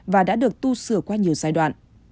và đã được tu sửa qua nhiều giai đoạn